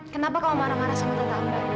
kenapa kamu marah marah sama tante ambar